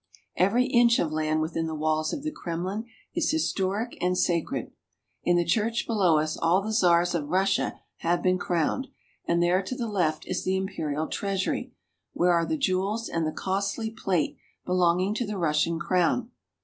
Every inch of land within the walls of the Kremlin is his toric and sacred. In the church below us all the Czars of Russia have been crowned, and there to the left is the imperial treasury, where are the jewels and the costly plate belonging to the Russian crown.